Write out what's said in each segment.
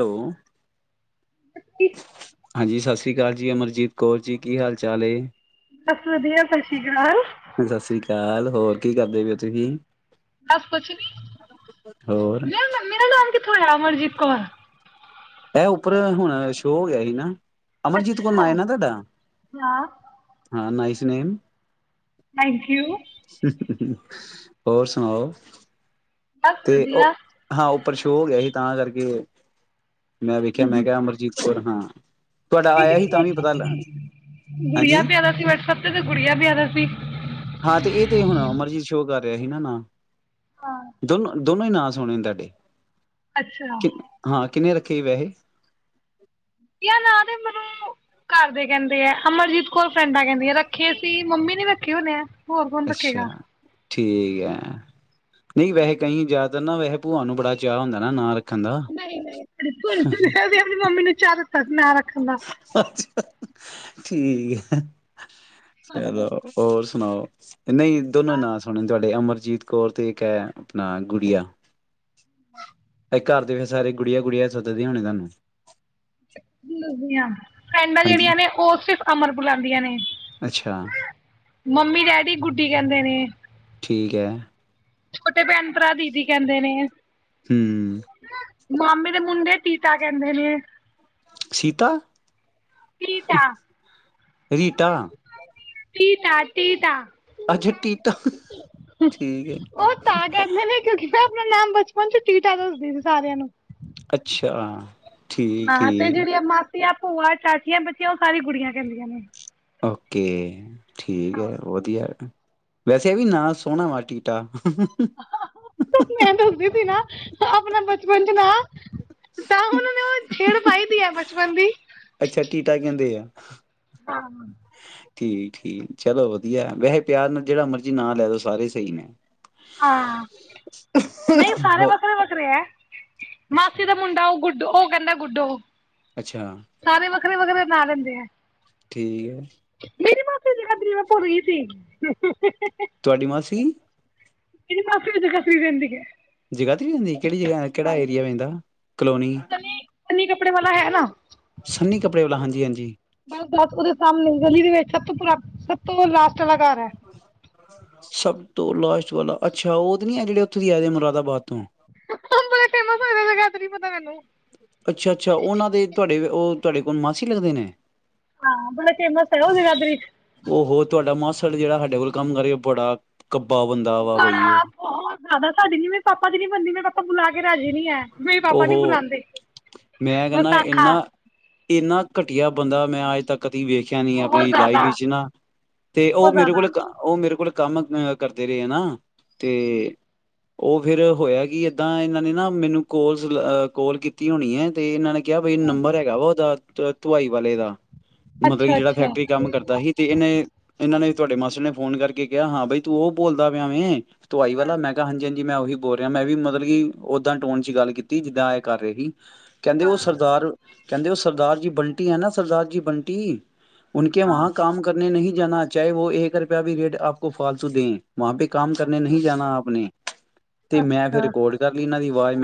Hello, [unintelligible] ਹਾਂਜੀ ਸਤਿ ਸ੍ਰੀ ਅਕਾਲ ਜੀ ਅਮਰਜੀਤ ਕੌਰ ਜੀ ਕੀ ਹਾਲ ਚਾਲ? ਅੱ [unintelligible] ਵਧੀਆ ਸਤਿ ਸ਼੍ਰੀ ਅਕਾਲ, ਸਤਿ ਸ੍ਰੀ ਅਕਾਲ ਹੋਰ ਕੀ ਕਰਦੇ ਤੇ ਤੁਸੀਂ, ਬਸ ਕੁਛ ਹੋਰ ਨੀ ਮ ਮੇਰਾ ਨਾਮ ਕਿੱਥੋਂ ਆਇਆ ਅਮਰਜੀਤ ਕੌਰ, ਇਹ ਉੱਪਰ ਹੁਣ ਸ਼ੋਅ ਹੋ ਗਿਆ ਸੀ ਨਾ, ਅਮਰਜੀਤ ਕੋ ਅੱਛਾ ਨਾਅ ਐ ਨਾ ਤੁਹਾਡਾ ਹਾਂ ਹਾਂ ਨ ਨੇਮ, ਥੈਂਕ ਯੂ, ਹੋਰ ਸੁਣਾਓ। ਬਸ ਤੇ ਉਹ ਵਧੀਆ। ਹਾਂ ਉੱਪਰ ਸ਼ੋਅ ਹੋ ਗਿਆ ਸੀ। ਤਾਂ ਕਰਕੇ ਉਹ, ਮੈਂ ਵੇਖਿਆ ਮੈਂ ਕਿਹਾ ਅਮਰਜੀਤ ਕੋਰ, ਹਾਂ, ਤੁਹਾਡਾ ਆਇਆ ਸੀ ਤਾਂ ਵੀ ਪਤਾ ਲ ਗੁੜੀਆਂ ਹਾਂਜੀ ਪਿਆਦਾ ਸੀ ਵੈਟਐਸਪ ਤੇ ਤੇ ਗੁੜੀਆ ਪਿਆਦਾ ਸੀ। ਪਿਆ ਸੀ, ਨਾ ਨਾ, ਹਾਂ। ਦੋਨੋਂ, ਦੋਨੋ ਹੀ ਨਾਂ ਸੁਣੇ ਤੁਹਾਡੇ, ਅੱਛਾ ਕਿ ਹਾਂ, ਕਿੰਨੇ ਰੱਖੇ ਬੈਹੇ ਨਾ ਦੇ ਮੈਨੂੰ ਘਰ ਦੇ ਕਹਿੰਦੇ ਆ ਅਮਰਜੀਤ ਕੌਰ ਫਰੈਂਡਾਂ ਕਹਿੰਦੇ। ਰੱਖੇ ਸੀ ਮੰਮੀ ਨੀ ਰੱ ਕਿਉਂ ਨਿਆ। ਅੱਛਾ ਠੀਕ ਹੈ ਨਹੀਂ ਵੈ ਕਹੀ ਜਾ ਨਾ ਵੈਹੇ ਭੂਆ ਨੂੰ ਬੜਾ ਚਾਅ ਹੁੰਦਾ ਨਾਲ ਨਹੀਂ ਨਹੀਂ ਆਪਣੀ ਮੰਮੀ ਨੂੰ ਚਾਅ ਮੈ ਅੱਛਾ ਠੀਕ ਹੈ। ਚਲ ਹੋਰ ਸੁਣਾਓ ਨਹੀਂ ਦੋਨੋ ਨਾਂ ਸੁਣੇ ਤੁਹਾਡੇ ਅਮਰ ਜੀਤ ਕੌਰ ਤੇ ਇੱਕ ਹੈ ਆਪਣਾ ਗੁੜੀਆ। ਇਹ ਘਰ ਦੇ ਫੇਰ ਸਾਰੇ ਗੁੜੀਆਂ ਗੁੜੀਆਂ ਸੱਦਦੇ ਹੋਣੇ ਤੁਹਾਨੂੰ। ਦੱਸਦੀ ਆਂ ਫੈਂਡਾਂ ਹਾਂਜੀ ਜਿਹੜੀਆਂ ਨੇ ਉਹ ਸਿਰਫ ਅਮਰ ਬੁਲਾਦੀਆਂ ਨੇ। ਅੱਛਾ। ਮੰਮੀ ਡੈਡੀ ਗੁੱਡੀ ਕਹਿੰਦੇ ਨੇ। ਠੀਕ ਹੈ, ਛੋਟੇ ਭੈਣ ਭਰਾ ਦੀਦੀ ਕਹਿੰਦੇ ਨੇ, ਹੂੰ ਮਾਮੇ ਦੇ ਮੁੰਡੇ ਤੀਤਾ ਕਹਿੰਦੇ ਨੇ, ਸੀਤਾ, ਤੀਤਾ ਰੀਟਾ, ਤੀਤਾ ਤੀਤਾ ਅੱਛਾ ਟੀਟਾ ਠੀਕ ਹੈ। ਉਹ ਤਾਂ ਕਹਿੰਦੇ ਨੇ ਕਿਉਂਕਿ ਆਪਣਾ ਨਾਮ ਬਚਪਨ ਚ ਟੀਟਾ ਦੱਸਦੀ ਸੀ ਸਾਰਿਆਂ ਨੂੰ ਅੱਛਾ ਠੀਕ ਹਾਂ ਤੇ ਜਿਹੜੀ ਠੀਕ ਆ ਮਾ ਸੀਆਂ ਭੂਆ ਚਾਚੀਆਂ ਬੱਚੀਆਂ ਉਹ ਸਾਰੀ ਗੁੜੀਆਂ ਕਹਿੰਦੀਆਂ ਨੇ। ਓਕੇ ਠੀਕ ਹੈ ਵਧੀਆ ਵੈਸੇ ਇਹ ਵੀ ਨਾ ਸੋਹਣਾ ਵਾ ਟੀਟਾ। ਮੈਂ ਦੱਸਦੀ ਸੀ ਨਾ ਆਪਣਾ ਬਚਪਨ ਚ ਨਾਂਅ ਤਾਂ ਉਹਨਾਂ ਨੇ ਉਹ ਛੇੜ ਪਾਈ ਦੀ ਹੈ ਬਚਪਨ ਦੀ ਅੱਛਾ ਟੀਟਾ ਕਹਿੰਦੇ ਆ ਠੀਕ ਠੀਕ ਚਲੋ ਵਧੀਆ ਵੈਸੇ ਪਿਆਰ ਨਾਲ ਜਿਹੜਾ ਮਰਜੀ ਨਾ ਲੈ ਦੋ ਸਾਰੇ ਸਹੀ ਨੇ। ਹਾਂ ਨਹੀਂ ਸਾਰੇ ਹੋ ਵੱਖਰੇ ਵੱਖਰੇ ਹੈ। ਮਾਸੀ ਅੱਛਾ ਦਾ ਮੁੰਡਾ ਉਹ ਗੁੱਡੂ ਗੁੱਡੋ ਉਹ ਕਹਿੰਦਾ ਗੁੱਡੋ ਅੱਛਾ ਸਾਰੇ ਵੱਖਰੇ ਵੱਖਰੇ ਨਾ ਲੈਂਦੇ ਆ। ਠੀ ਐ। ਮੇਰੀ ਮਾਸੀ ਜਗਾਦਰੀ ਮੈਂ ਭੁੱਰ ਗੀ ਸੀ। ਤੁਹਾਡੀ ਮਾਸੀ? ਮੇਰੀ ਮਾਸੀ ਵੀ ਜਗਾਦਰੀ ਰੈਂਦੀ ਐ। ਜਗਾਧਰੀ ਰਹਿੰਦੀ ਐ, ਕਿਹੜੀ ਜਗ੍ਹਾ ਆ ਕਿਹੜਾ ਏਰੀਆ ਪੈਂਦਾ, ਕਲੋਨੀ। ਸਨੀ ਸਨੀ ਕਪੜੇ ਵਾਲਾ ਹੈ ਨਾ। ਸੰਨੀ ਕੱਪੜੇ ਵਾਲਾ ਹਾਂਜੀ, ਹਾਂਜੀ। ਬਸ ਬਸ ਉਹਦੇ ਸਾਹਮਣੇ ਗਲੀ ਦੇ ਵਿੱਚ, ਸਭ ਤੋਂ ਪੂਰਾਨ, ਸਭ ਤੋਂ ਲਾਸਟ ਟ ਆਲਾ ਘਰ ਐ। ਸਭ ਤੋਂ ਲਾਸਟ ਵਾਲਾ, ਅੱਛਾ। ਉਹ ਤੇ ਨੀ ਐ, ਜਿਹੜੇ ਉੱਥੋਂ ਦੀ ਆਏਦੇ ਨੇ ਮੁਰਾਦਾਬਾਦ ਤੋਂ। ਓ ਬੜੇ ਫੇਮਸ ਹੋਏ ਦੇ ਜਗਾਦਰੀ ਪਤਾ ਮੈਨੂੰ। ਅੱਛਾ, ਅੱਛਾ। ਉਹਨਾਂ ਦੇ ਤੁਆਡੇ ਉਹ ਤੁਆਡੇ ਕੋਣ ਮਾਸੀ ਲੱਗਦੇ ਨੇ? ਹਾਂ ਬੜੇ ਫੇਮਸ ਐ ਓ ਜਗਾਧਰੀ। ਉਹ ਹੋ ਤੁਹਾਡਾ ਮਾਸੜ ਜਿਹੜਾ ਹਾਡੇ ਕੋਲ ਕੰਮ ਕਰੇ ਬੜਾ ਕੱਬਾ ਬੰਦਾ ਵਾ ਬਈ ਉਹ ਬੜਾ, ਬਹੁਤ ਜ਼ਿਆਦਾ। ਸਾਡੀ ਜਿਂਵੇ, ਪਾਪਾ ਦੀ ਨੀ ਬਣਦੀ, ਮੇਰੇ ਪਾਪਾ ਬੁਲਾ ਕੇ ਰਾਜੀ ਨੀ। ਓ ਹੋ, ਮੈਂ ਕੈਨਾਂ ਵਿਸਾਖਾ ਇੰਨਾ ਇੰਨਾ ਘਟੀਆ ਬੰਦਾ ਮੈਂ ਅਜ ਤੱਕ ਨੀ ਵੇਖਿਆ ਨੀ ਬਹੁਤ ਆਪਣੀ ਲਾਈਫ ਜ਼ਿਆਦਾ ਵਿੱਚ ਨਾ। ਤੇ ਉਹ ਬਹੁਤ ਮੇਰੇ ਜ਼ਿਆਦਾ ਕੋਲ ਕ ਅ ਉਹ ਮੇਰੇ ਕੋਲ ਕੰਮ ਅ ਕਰਦੇ ਰਹੇ ਆ ਨਾ। ਤੇ ਉਹ ਫੇਰ ਹੋਇਆ ਕਿ, ਏਦਾਂ ਇਹਨਾਂ ਨੇ ਨਾ ਮੈਨੂੰ ਕੋਲ ਜ਼ ਅ ਕੋਲ ਕੀਤੀ ਹੋਣੀ ਐ। ਤੇ ਇਹਨਾਂ ਨੇ ਕਿਆ ਵੀ ਨੰਬਰ ਹੈਗਾ ਵਾ ਓਦਾ ਧੁਅ ਧੁਆਈ ਵਾਲੇ ਦਾ। ਮਤਲਬ ਕਿ ਅੱਛਾ ਜਿਹੜਾ ਅੱਛਾ ਫੈਕਟਰੀ ਕੰਮ ਕਰਦਾ ਹੀ। ਤੇ ਇਨੇ, ਏਨਾਂ ਨੇ ਵੀ ਤੁਆਡੇ ਮਾਸੜ ਨੇ ਫੋਨ ਕਰਕੇ ਕਿਆ, ਹਾਂ ਬਈ, ਤੂੰ ਓਹ ਬੋਲਦਾ ਪਿਆ ਵੇਂ। ਧੁਵਾਈ ਹਾਂ ਵਾਲਾ, ਮੈਂ ਕਿਹਾ ਹਾਂਜੀ ਹਾਂਜੀ ਕਿ ਮੈਂ ਉਹੀ ਬੋਲ ਰਿਆਂ, ਮੈਂ ਵੀ ਮਤਲਬ ਕਿ ਓਦਾਂ ਟੋਨ ਚ ਚ ਗੱਲ ਕੀਤੀ, ਜਿੱਦਾਂ ਏਹ ਕਰ ਰੇ ਹੀ। ਕਹਿੰਦੇ ਹਾਂ ਉਹ ਸਰਦਾਰ ਕਹਿੰਦੇ, ਓਹ ਸਰਦਾਰ ਜੀ ਬੰਟੀ ਹੈ ਨਾ, ਸਰਦਾਰ ਜੀ ਬੰਟੀ ਉਨਕੇ ਹਾਂ ਵਹਾਂ ਕੰਮ ਕਰਨੇ ਨਹੀਂ ਜਾਨਾ, ਚਾਹੇ ਵੋ ਏਕ ਰੁਪੇਆ ਵੀ ਰੇਟ ਆਪ ਫਾਲਤੂ ਦੇਂ। ਵਹਾਂ ਪੇ ਕੰਮ ਕਰਨੇ ਨਹੀਂ ਜਾਨਾ ਆਪ ਨੇ, ਤੇ ਮੈਂ ਫਿਰ ਅੱਛਾ ਰਿਕੌਡ ਕਰਲੀ ਇਹਨਾਂ ਦੀ ਆਵਾਜ਼।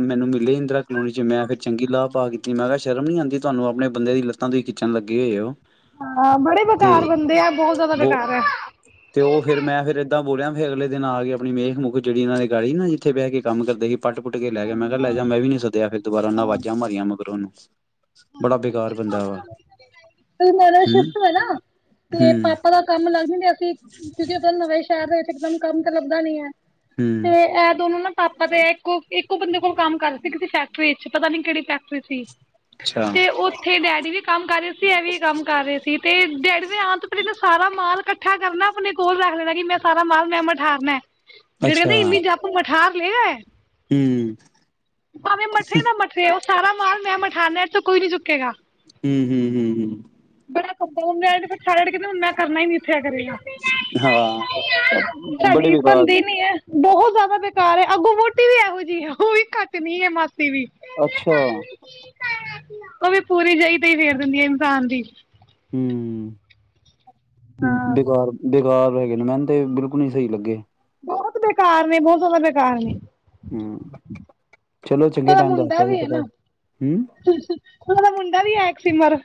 ਮੈਂ ਨੂੰ ਮਿਲੇ ਇੰਦਰਾ ਕਲੋਨੀ ਚ ਮੈਂ ਫਿਰ ਚੰਗੀ ਗਾਹ ਪਾਕੇ ਕੀ ਮੈਂ ਕਿਹਾ ਸ਼ਰਮ ਨਹੀਂ ਆਂਦੀ ਤੁਹਾਨੂੰ ਆਪਣੇ ਬੰਦੇ ਦੀ ਲੱਤਾਂ ਤੋਂ ਹੀ ਖਿੱਚਣ ਲੱਗੇ ਹੋਏ ਹੋ। ਹਾਂ, ਬੜੇ ਤੇ ਬੇਕਾਰ ਬੰਦੇ ਆ ਬਹੁਤ ਜ਼ਿਆਦਾ ਉਹ ਬੇਕਾਰ ਹੈ। ਤੇ ਉਹ ਫਿਰ ਮੈਂ ਫਿਰ ਏਦਾਂ ਤਾਂ ਬੋਲ ਰਿਹਾ ਫੇਰ ਅਗਲੇ ਦਿਨ ਆ ਕੇ ਆਪਣੀ ਮੇਖ ਮੁੁਖ ਜਿਹੜੀ ਇਹਨਾਂ ਨੇ ਗਾਲੀ ਨਾ ਜਿੱਥੇ ਬਹਿ ਕੇ ਕੰਮ ਕਰਦੇ ਸੀ। ਪੱਟ ਪੁੱਟ ਕੇ ਲੈ ਗਿਆ ਮੈਂ ਕਿਹਾ ਲੈ ਜਾ ਮੈਂ ਵੀ ਨੀ ਸਦਿਆ ਫਿਰ ਦੁਬਾਰਾ ਉਹਨਾਂ ਆਵਾਜ਼ਾਂ ਮਾਰੀਆਂ ਮਗਰ ਉਹਨੂੰ [unintelligible] ਬੰਦਾ ਵਾ ਆਪਾਂ ਹੂੰ ਸ਼ਿਫਟ ਹੋ ਨਾ ਤੇ ਹੂੰ ਪਾਪਾ ਦਾ ਕੰਮ ਲੱਗ ਜਾਣਗੇ। ਅਸੀਂ ਤੁਜੇ ਦ ਨਵੇਂ ਸ਼ਹਿਰ ਚ ਇਕਦਮ ਕੰਮ ਤੇ ਲੱਦਾ ਨੀ ਹੈ। ਹੂੰ ਤੇ ਇਹ ਦੋਨੋ ਨਾ ਪਾਪਾ ਤੇ ਇੱਕੋ ਇੱਕੋ ਬੰਦੇ ਕੋਲ ਕੰਮ ਕਰਦੇ ਸੀ ਕਿਤੇ ਫੈਕਟਰੀ ਪਤਾ ਨੀ ਕਿਹੜੀ ਫੈਕਟਰੀ ਸੀ। ਅੱਛਾ। ਤੇ ਉੱਥੇ ਡੈਡੀ ਵੀ ਕੰਮ ਕਰ ਰਹੇ ਸੀ, ਇਹ ਵੀ ਕੰਮ ਕਰ ਰਹੇ ਸੀ। ਤੇ ਡੇਢ ਵਜੇ ਆਉਣ ਤੋਂ ਪਹਿਲਾਂ ਤਾਂ ਸਾਰਾ ਮਾਲ ਇਕੱਠਾ ਕਰਨਾ ਆਪਣੇ ਕੋਲ ਰੱਖ ਲੈਣਾ ਕਿ ਮੈਂ ਸਾਰਾ ਮਾਲ ਮੈਂ ਮਠਾਰਨਾ। ਜਿਹੜੇ ਅੱਛਾ ਕਹਿੰਦੇ ਇੰਨੀ ਜਪ ਮ ਠਾਕ ਲੈ ਆਏ। ਹੂੰ। ਭਾਵੇਂ ਮਠੇ ਨਾ ਮਠੇ ਉਹ ਸਾਰਾ ਮਾਲ ਮੈਂ ਮਠਾਨਿਆ ਇਹਦੇ ਚੋਂ ਕੋਈ ਨੀ ਚੁੱਕੇਗਾ। ਹੂੰ- ਹੂੰ, ਹੂੰ-ਹੂੰ। ਬੜਾ ਕਿਆ ਕਰੇਗਾ ਹਾਂ ਬੜੇ ਸਾਡੀ ਬੇਕਾਰ ਬਣਦੀ ਨੀ ਹੈ। ਬਹੁਤ ਜ਼ਿਆਦਾ ਬੇਕਾਰ ਹੈ, ਅੱਗੋਂ ਮੋਟੀ ਵੀ ਇਹੋ ਜਿਹੀ ਹੈ, ਉਹ ਵੀ ਘੱਟ ਨੀ ਹੈ ਮਸ ਅੱਛਾ। ਉਹ ਵੀ ਪੂਰੀ ਜਹੀ ਤੇ ਹੀ ਫੇਰ ਦਿੰਦੀ ਆ ਇਨਸਾਨ ਦੀ ਹੂੰ। ਹਾਂ ਬੇਕਾਰ ਬੇ ਬੇਕਾਰ ਹੈਗੇ ਨੇ ਮੈਨੂੰ ਤੇ ਬਿਲਕੁਲ ਨੀ ਸਹੀ ਲੱਗੇ। ਬਹੁਤ ਬੇਕਾਰ ਨੇ, ਬਹੁਤ ਜ਼ਿਆਦਾ ਬੇਕਾਰ ਨੇ ਹੂੰ, ਚਲੋ ਚੰਗੇ ਉਹਦਾ ਟਾਈਮ ਦਾ ਮੁੰਡਾ ਕੀ ਜੀ ਵੀ ਹੈ ਪਤਾ ਨਾ ਹੂੰ। ਉਹਦਾ ਮੁੰਡਾ ਵੀ ਹੈ ਇੱਕ ਸਿਮਰ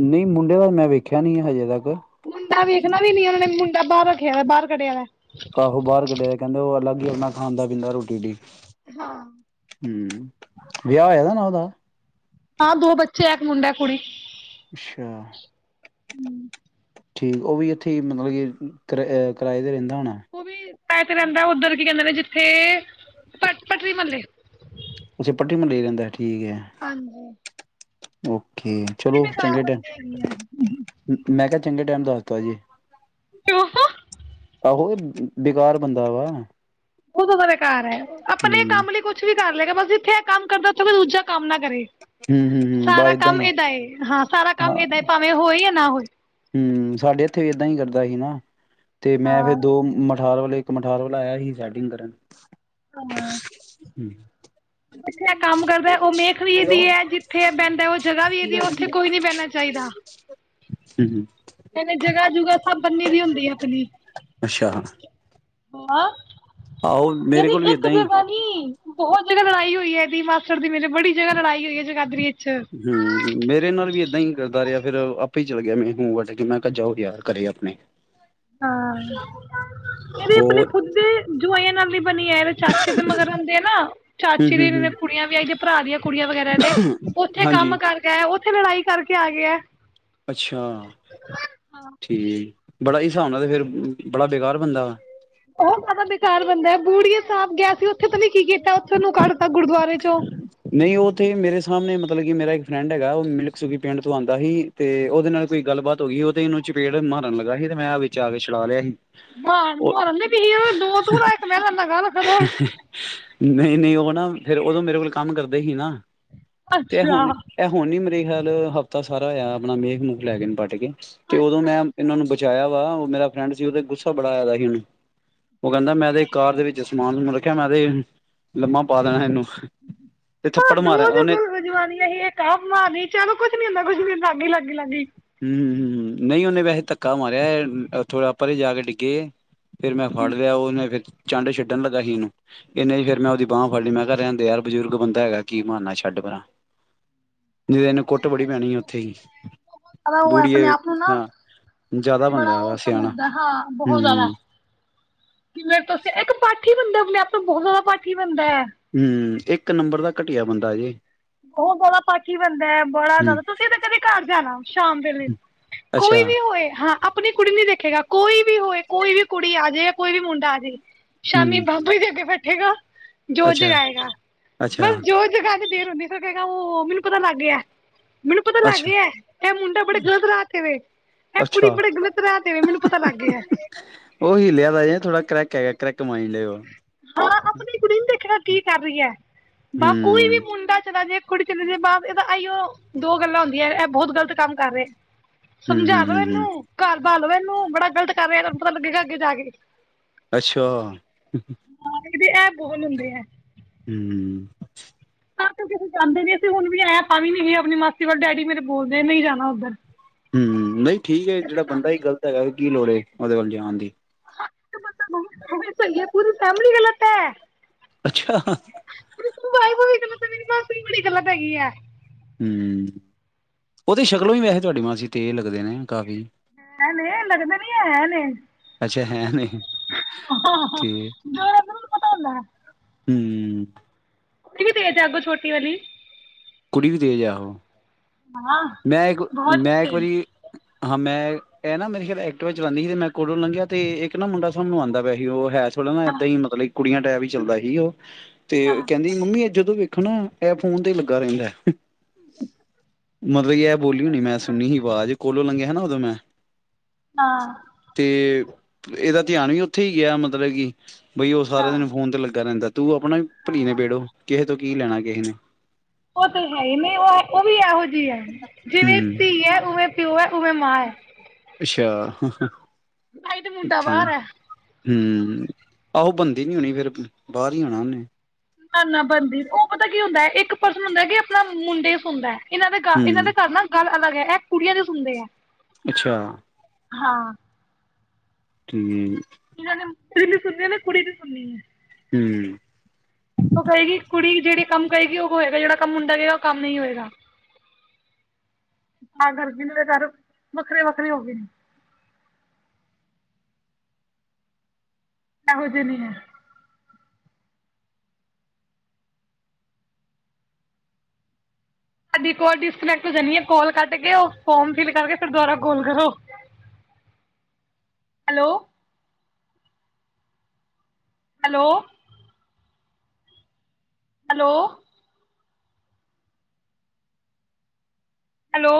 ਨਹੀਂ ਮੁੰਡੇ ਦਾ ਮੈਂ ਵੇਖਿਆ ਨੀ ਹਜੇ ਤੱਕ ਮੁੰਡਾ ਵੇਖਣਾ ਵੀ ਨੀ ਉਹਨਾਂ ਨੇ ਮੁੰ ਤਾ ਬਾਹਰ ਰੱਖਿਆ ਵੇ ਬਾਹਰ ਕੱਢਿਆ ਪਿਆ ਹੈ। ਆਹੋ ਬਾਹਰ ਕੱਢਿਆ ਕਹਿੰਦੇ ਉਹ ਅਲੱਗ, ਨਾ ਖਾਂਦਾ ਪੀਦਾ ਰੋਟੀ ਵੀ, ਹਾਂ, ਹੂੰ ਵਿਆਹ ਹੋਇਆ ਨਾ ਉਹਦਾ ਹਾਂ ਦੋ ਬੱਚੇ ਆ ਇੱਕ ਮੁੰਡਾ, ਇਕ ਕੁੜੀ। ਅੱਛਾ, ਹੂੰ, ਠੀਕ ਉਹ ਵੀ ਇਥੇ ਹੀ ਮਤਲਬ ਕਿ ਕਰਾਏ ਤੇ ਰਹਿੰਦੇ। ਉਹ ਵੀ, ਤੇ ਰਹਿੰਦਾ ਉੱਧਰ ਕੀ ਕਹਿੰਦੇ ਨੇ ਜਿੱਥੇ ਪ ਪਟਰੀ ਮਹੱਲੇ, ਅੱਛਾ ਏ ਪਟਰੀ ਮਹੱਲੇ ਹੀ ਰਹਿੰਦਾ। ਠੀਕ ਹੈ। ਹਾਂਜੀ ਔ, ਕੇ ਬੜੀ ਚਲੋ, ਬੇਕਾਰ ਚੰਗੇ ਤੇ ਬੰਦੇ ਹੈਗੇ ਆ। ਮੈਂ ਕਿਹਾ। ਚੰਗੇ ਟਾਈਮ ਦੱਸਤਾ ਜੀ, ਕਿਉਂ ਬਹੁਤ ਉਹ ਬੇਕਾਰ ਬੰਦਾ ਵਾ ਉਦੋ ਸਾਡੇ ਘਰ ਆਇਆ। ਆਪਣੇ ਹਮ ਕੰਮ ਲਈ ਕੁੱਛ ਵੀ ਕਰ ਲਏਗਾ, ਬਸ ਜਿਥੇ ਕੰਮ ਕਰਦਾ ਉਥੇ ਕੋਈ ਦੁਜਾ ਕੰਮ ਨਾ ਕਰੇ, ਹਮ ਹਮ ਹਮ ਬਸ ਸਾਰਾ ਕੰਮ ਹੀ ਏਦਾਂ ਏ ਹਾਂ ਸਾਰਾ ਕੰਮ ਏਦਾਂ ਏ ਭਾਵੇਂ ਹੋਏ ਜਾ ਨਾ ਹੋਏ, ਹੂੰ, ਸਾਡੇ ਇੱਥੇ ਵੀ ਏਦਾਂ ਹੀ ਕਰਦਾ ਸੀ ਨਾ, ਤੇ ਮੈਂ ਫੇਰ ਹਾਂ ਦੋ ਮ ਮਠਾਰ ਵਾਲੇ ਇੱਕ ਮਠਾਰ ਵਾਲਾ ਆਇਆ ਸੀ ਸੈਟਿੰਗ ਕਰਨ, ਹਾਂ, ਹੂੰ, ਜਿੱਥੇ ਏ ਕੰਮ ਕਰਦਾ ਉਹ ਮੇਖ ਵੀ ਇਹਦੀ ਹੈ, ਜਿੱਥੇ ਏ ਬਹਿੰਦਾ ਉਹ ਜਗ੍ਹਾ ਵੀ ਇਹਦੀ ਹੈ, ਉੱਥੇ ਕੋਈ ਨੀ ਬਹਿਣਾ ਚਾਹੀਦਾ। ਹੂੰ-ਹੂੰ, ਕਹਿੰਦੇ ਜਗ੍ਹਾ ਜੁਗਾ ਸਭ ਬੰਨੀ ਦੀ ਹੁੰਦੀ ਦੀ ਆਪਣੀ। ਅੱਛਾ ਆ, ਆਹੋ ਮੇਰੇ ਇਹਦੀ ਕੋਲ ਵੀ ਇੱਕ ਏਦਾਂ ਹੀ ਜਗ੍ਹਾ ਨੀ ਬਹੁਤ ਕੇ ਲੜਾਈ ਹੋਈ ਐ ਇਹਦੀ ਮਾਸੜ ਦੀ ਮੇਰੇ ਬੜੀ ਜਗ੍ਹਾ ਲੜਾਈ ਹੋ ਹੈ ਜਗਾਦਰੀ ਵਿਚ, ਹੂੰ, ਮੇਰੇ ਨਾਲ ਵੀ ਏਦਾਂ ਹੀ ਕਰਦਾ ਰਿਹਾ। ਫੇਰ ਆਪੇ ਹੀ ਚਲੇ ਗਿਆ, ਮੈਂ ਮੂੰਹ ਵੱਟ ਕੇ ਮੈਂ ਕਿਹਾ ਜਾਓ, ਯਾਰ ਘਰੇ ਆਪਣੇ ਹਾਂ ਇਹਦੇ ਆਪਣੇ ਹੋਰ ਖੁੱਦ ਦੇ ਜਵਾਈਆਂ ਨਾਲ ਬਣੀ ਆ ਇਹਦੇ ਚਾਚੇ ਦੇ ਮਗਰ ਹੁੰਦੇ ਆ ਨਾ ਹੂੰ ਚਾਚੇ ਹੂੰ ਹੂੰ ਦੀ ਕੁੜੀਆਂ ਵੀ ਆਈਆਂ ਭਰਾ ਦੀਆਂ ਕੁੜੀਆਂ ਵਗੈਰਾ ਦੇ ਉੱਥੇ ਕੰਮ ਹਾਂਜੀ ਕਰਕੇ ਥੇ ਲੜਾਈ ਕਰਕੇ ਆ ਗਿਆ ਹੈ। ਅੱਛਾ ਠੀਕ, ਬੜਾ ਹਿਸਾਬ ਨਾਲ ਤੇ ਫੇਰ ਬੜਾ ਬੇਕਾਰ ਬੰਦਾ ਵਾ, ਉਹ ਜ਼ਿਆਦਾ ਬੇਕਾਰ ਬੰਦਾ ਹੈ, ਬੂੜੀਆ ਸਾਹਿਬ ਗਿਆ ਸੀ ਉੱਥੇ ਪਤਾਂ ਨੀ ਕੀ ਕੀਤਾ, ਉੱਥੇ ਕੱਢਤਾ ਗੁਰਦੁਆਰਾ ਨਹੀਂ ਉਹ ਤੇ ਮੇਰੇ ਸਾਹਮਣੇ ਮਤਲਬ ਕਿ ਮੇਰਾ ਫਰੈਂਡ ਹੈਗਾ, ਉਹ ਮਿਲਕ ਸੁਫੀ ਪਿੰਡ ਤੋਂ ਆਉਂਦਾ ਸੀ, ਤੇ ਉਹਦੇ ਨਾਲ ਕੋਈ ਗੱਲਬਾਤ ਹੋ ਗਈ, ਉਹ ਤੇ ਇਹਨੂੰ ਚਪੇੜ ਮਾਰਨ ਲੱਗਾ ਸੀ ਤੇ ਮੈਂ ਵਿੱਚ ਆ ਕੇ ਛਡਾ ਲਿਆ ਸੀ। ਉਹ ਮਾਰਨ ਦੀ [unintelligible] ਫੇਰ ਉਦੋਂ ਮੇਰੇ ਕੋਲ ਕੰਮ ਕਰਦੇ ਸੀ ਨਾ, ਤੇ ਹੁਣ ਅੱਛਾ ਇਹ ਹੁਣ ਈ ਮੇਰੇ, ਫਿਲਹਾਲ ਹਫ਼ਤਾ ਸਾਰਾ ਹੋਇਆ ਆਪਣਾ ਮੇਖ ਮੂਖ ਲੈ ਕੇ ਪੱਟ ਕੇ, ਤੇ ਉਦੋਂ ਮੈਂ ਇਹਨਾਂ ਨੂੰ ਬਚਾਇਆ ਵਾ, ਮੇਰਾ ਫਰੈਂਡ ਸੀ, ਉਤੇ ਗੁੱਸਾ ਬੜਾ ਹੈਗਾ ਸੀ ਉਹਨੂੰ ਉਹ ਕਹਿੰਦਾ ਮੈਂ ਦੇ ਕਾਰ ਦੇ ਵਿੱਚ ਸਮਾਨ ਨੂੰ ਖਿਆ ਮੈਂ ਤੇ ਲੰਮਾ ਪਾ ਦੇਣਾ ਇਹਨੂੰ ਤੇ ਹਾਂ, ਥੱਪੜ ਦੋ ਮਾਰਿਆ ਦੇ ਉਹਨੇ ਜਵਾਨ ਸੀ, ਕਦੀ ਚਲੋ ਕੁਛ ਨੀ ਹੁੰਦਾ ਕੁੱਝ ਨੀ ਲਾਗੀ, ਲਾਗੀ, ਲੱਗੀ। ਹੂੰ-ਹੂੰ, ਨਹੀਂ ਉਹਨੇ ਵੈਸੇ ਧੱਕਾ ਮਾਰਿਆ ਥੋੜਾ ਪਰੇ ਜਾ ਕੇ ਡਿੱਗੇ, ਫਿਰ ਮੈਂ ਫੜ ਲਿਆ ਉਹਨੇ ਫੇਰ, ਚੰਡ ਛੱਡਣ ਲੱਗਾ ਸੀ, ਇਹਨੂੰ ਇਹਨੇ ਫੇਰ ਮੈਂ ਉਹਦੀ ਬਾਂਹ ਫੜਨੀ ਮੈਂ ਕਿਹਾ ਰਹਿੰਦੇ ਯਾਰ ਬਜ਼ੁਰਗ ਬੰਦਾ ਹੈਗਾ, ਕੀ ਮਾਰਨਾ ਛੱਡ ਪਰਾ ਨਹੀਂ ਤਾਂ ਇਹਨੂੰ ਕੁੱਟ ਬੜੀ ਪੈਣੀ ਉੱਥੇ ਹੀ। ਬਹੁਤ ਜ਼ਿਆਦਾ ਉਹ ਹੈ, ਆਪਣੇ ਬੂੜੀਏ ਆਪ ਨੂੰ ਨਾ ਹਾਂ ਜ਼ਿਆਦਾ ਬੜਾ ਬੰਦਾ ਉਹ ਵਾ ਸਿਆਣਾ ਸਮਝਦਾ ਹਾਂ ਬਹੁਤ ਹੂੰ ਜ਼ਿਆਦਾ। ਕਿਵੇਂ ਤੁਸੀਂ ਇੱਕ ਬੰਦਾ ਆਪਨੇ ਬਹੁਤ ਜਿਆਦਾ ਪਾਠੀ ਬੰਦਾ ਹੈ ਹੂੰ, ਇੱਕ ਇੱਕ ਨੰਬਰ ਦਾ ਘਟੀਆ ਬੰਦਾ ਜੇ, ਉਹ ਬੜਾ ਪਾਠੀ ਬੰਦਾ ਹੈ, ਬੜਾ ਹੂੰ, ਜ਼ਿਆਦਾ ਤੁਸੀਂ ਕਦੇ ਘਰ ਜਾਣਾ, ਸ਼ਾਮ ਦੇ ਅੱਛਾ ਕੋਈ ਵੀ ਹੋਏ ਹਾਂ। ਆਪਣੀ ਕੁੜੀ ਨੀ ਦੇਖੇਗਾ ਕੋਈ ਵੀ ਹੋਏ ਕੋਈ ਵੀ ਕੁੜੀ ਆ ਜਾ ਕੋਈ ਵੀ ਮੁੰਡਾ ਆ ਜੇ। ਸ਼ਾਮੀ ਹੂੰ, ਬਾਬੂ ਦੇ ਅੱਗੇ ਬੈਠੇ ਗਾ [unintelligible] ਜੋਤ ਅੱਛਾ, ਜਗਾਏਗਾ ਅੱਛਾ, ਬਸ ਜੋਤ ਜਗਾਕੇ ਫਿਰ ਔਦੇ, ਉਹ ਮੈਨੂੰ ਪਤਾ ਲੱਗ ਗਿਆ। ਮੈਨੂੰ ਪਤਾ ਲੱਗ ਅੱਛਾ, ਗਿਆ, ਇਹ ਮੁੰਡਾ ਬੜੇ ਗ਼ਲਤ ਰਾਹ ਤੇ ਵੇ ਇਹ ਕੁੜੀ ਅੱਛਾ ਬੜੇ ਗ਼ਲਤ ਰਾਹ ਤੇ ਵੇ ਮੈਨੂੰ ਪਤਾ ਲੱਗ ਗਿਆ। ਉਹ ਹੀਲਿਆ ਦਾ ਜੇ ਥੋੜਾ ਕਰੈਕ ਹੈਗਾ ਕਰੈਕ ਮਾਈਂਡ ਏ ਉਹ ਹਾਂ ਆਪਣੀ ਕੁੜੀ ਨੀ ਦੇਖਣਾ ਕੀ ਕਰ ਰਹੀ ਹੈ। ਬਾ ਕੋਈ ਵੀ ਹੂੰ, ਮੁੰਡਾ ਚਲਾ ਜੇ ਕੁੜੀ ਚਲੀ ਜੇ ਇਹ ਤਾਂ ਇਈਓ ਦੋ ਗੱਲਾਂ ਹੁੰਦੀਆਂ ਐ। ਬਹੁਤ ਗ਼ਲਤ ਕੰਮ ਕਰ ਰਹੇ ਹੂੰ, ਸਮਝਾ ਹੂੰ, ਲੋੋ ਹੂੰ, ਹੂੰ ਇਹਨੂੰ ਘਰ ਸਮਝਾ ਲਓ ਇਹਨੂੰ ਬੜਾ ਗ਼ਲਤ ਕਰ ਰਿਹਾ ਤੁਹਾਨੂੰ ਪਤਾ ਲਗੇਗਾ ਅੱਗੇ ਜਾ ਕੇ ਅੱਛਾ ਹ [unintelligible] ਇਹਦੇ ਐ ਬੋਲ ਹੁੰਦੇ ਹੈ ਹੂੰ, ਤਾਂ ਕਰਕੇ ਅਸੀਂ ਜਾਂਦੇ ਨੀ ਅਸੀਂ ਹੁਣ ਵੀ ਆਇਆ ਤਾਂ ਵੀ ਨਹੀਂ ਗਏ ਆਪਣੀ ਮਾਸੀ ਵੱਲ ਡੈਡੀ ਮੇਰੇ ਬੋਲਦੇ ਨਹੀਂ ਜਾਣਾ ਉੱਧਰ ਹਮ ਨਹੀਂ ਠੀਕ ਹੈ ਜਿਹੜਾ ਬੰਦਾ ਹੀ ਗਲਤ ਹੈਗਾ ਹੈ ਕੀ ਲੋੜੇ ਐ ਉਹਦੇ ਵੱਲ ਜੀ ਹਾਂਜੀ ਹਾਂ ਹਾਂ ਪਰ ਸਹੀ ਹੈ [unintelligible] ਪੂਰੀ ਫੈਮਿਲੀ ਗਲਤ ਕੁੱਤਾ [unintelligible] ਅੱਛਾ ਬਾਈ [unintelligible] ਮੇਰੀ ਮਾਸੀ ਵੀ ਬੜੀ ਗਲਤ ਹੈਗੀ ਐ ਹਮ ਉਹ ਤੇ ਸ਼ਕਲੋਂ ਵੀ ਵੈਸੇ ਤੁਹਾਡੀ ਮਾਸੀ ਤੇਜ ਲੱਗ ਦੇ ਨੇ ਕਾਫ਼ੀ ਹੈ ਨੇ ਲੱਗਦਾ ਨੀ ਹੈ ਨੇ ਅੱਛਾ ਹੈ ਨੇ ਹਾਂ ਹਾਂ ਤੇ ਜੋ ਰੱਬ ਨੂੰ ਵੀ ਪਤਾ ਹੁੰਦਾ ਹੈ ਹਮ ਕੁੜੀ ਵੀ ਤੇ ਹੈ ਜਾਗੋ ਛੋਟੀ ਵਾਲੀ ਕੁੜੀ ਵੀ ਤੇਜ਼ ਆ ਉਹ ਹਾਂ ਮੈਂ ਇੱਕ ਬਹੁਤ ਮੈਂ ਇੱਕ ਤੇਜ ਵਾਰੀ ਹਾਂ ਮੈਂ ਇਹ ਨਾ ਮੇਰੀ ਖਿਆਲ ਐਕਟੀਵਾ ਚਲਾਉਂਦੀ ਸੀ ਮੈਂ ਕੋਲੋਂ ਲੰਘਿਆ ਤੇ ਇੱਕ ਨਾ ਮੁੰਡਾ ਸਾਮਣੋ ਆਉਂਦਾ ਪਿਆ ਸੀ ਉਹ ਹੈ ਥੋੜ੍ਹਾ ਨਾ ਹਾਂ ਏਦਾਂ ਹੀ ਮਤਲਬ ਕੁੜੀਆਂ ਟਾਇਪ ਹੀ ਚੱਲਦਾ ਸੀ ਉਹ ਤੇ ਹਾਂ ਕਹਿੰਦੀ ਮੰਮੀ ਜਦੋਂ ਵੇਖੋ ਨਾ ਐ ਫੋਨ ਤੇਹੀ ਲੱਗਾ ਰਹਿੰਦਾ ਮਤਲਬ ਕੀ ਐ ਬੋਲੀ ਹੁਣੀ ਮੈਂ ਸੁਣੀ ਸੀ ਆਵਾਜ਼ ਕੋਲੋਂ ਲੰਘਿਆ ਨਾ ਉਦੋਂ ਮੈਂ ਹਾਂ ਤੇ ਇਹਦਾ ਧਿਆਨ ਵੀ ਉੱਥੇ ਹੀ ਗਿਆ ਮਤਲਬ ਕੀ ਬਈ ਉਹ ਸਾਰਾ ਹਾਂ ਦਿਨ ਫੋਨ ਤੇ ਲੱਗਾ ਰਹਿੰਦਾ ਤੂੰ ਆਪਣਾ ਭਲੀ ਨੇ ਹਾਂ। ਬੇੜੋ ਕਿਹੇ ਤੋਂ ਕੀ ਲੈਣਾ ਕਿਹੇ ਨੇ ਉਹ ਤੇ ਹੈ ਹੀ ਨਹੀਂ ਉਹ ਉਹ ਵੀ ਇਹੋ [unintelligible] ਜਿਵੇਂ ਹੂੰ ਧੀ ਹੈ ਉਵੇਂ ਪਿਉ ਹੈ ਉਵੇਂ ਮਾਂ ਹੈ ਅੱਛਾ ਹ ਹ ਬਾਈ [unintelligible] ਤੇ ਮੁੰਡਾ ਬਾਹਰ ਹੈ ਹਮ ਆਹੋ ਬੰਦੀ ਨੀ ਹੋਣੀ ਫੇਰ ਬਾਹਰ ਹੀ ਆਉਣਾ ਉਹਨੇ ਨਾ ਨਾ ਬਣਦੀ ਉਹ ਪਤਾ ਕੀ ਹੁੰਦਾ ਇੱਕ ਪਰਸਨ ਹੁੰਦਾ ਕਿ ਆਪਣਾ ਮੁੰਡੇ ਸੁੰਦਾ ਇਹਨਾਂ ਦੇ ਗ ਇਹਨਾਂ ਹੂੰ ਦੇ ਘ ਨਾਲ ਗੱਲ ਇਹ ਕੁੜੀਆਂ ਦੀ ਸੁਣਦੇ ਏ। ਅੱਛਾ, ਹਾਂ, ਠੀਕ, ਨੇ ਮੁ ਵੀ ਸੁਣਨੀ ਹੈ, ਨਾ ਕੁੜੀ ਵੀ ਸੁਣਨੀ ਹੈ। ਹੂੰ ਉਹ ਕਹੇਗੀ ਕੁੜੀ ਜਿਹੜੀ ਕੰਮ ਕਰੇਗੀ ਉਹ ਹੋਏਗਾ, ਜਿਹੜਾ ਕੰਮ ਮੁੰਡਾਗਾ, ਉਹ ਕੰਮ ਨਹੀਂ ਹੋਏਗਾ ਤਾ ਕਰਕੇ ਘਰ ਵੱਖਰੇ-ਵੱਖਰੇ ਹੋ ਗਏ ਨੇ। ਇਹੋ ਜਿਹੇ ਜੇ ਨਹੀ ਹੈ। ਸਾਡੀ ਕੋਲ ਡਿਸਕਨੈਕਟ ਹੋ ਜਾਣੀ ਹੈ, ਕਾਲ ਕੱਢ ਕੇ ਉਹ ਫੋਰਮ ਫਿਲ ਕਰਕੇ ਫਿਰ ਦੁਬਾਰਾ ਕਾਲ ਕਰੋ। Hello, hello, hello,